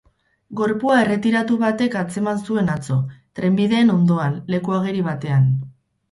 Gorpua erretiratu batek atzeman zuen atzo, trenbideen ondoan, leku ageri batean.